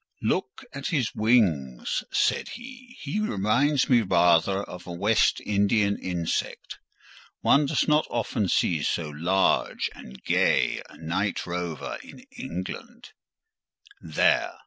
"Look at his wings," said he, "he reminds me rather of a West Indian insect; one does not often see so large and gay a night rover in England; there!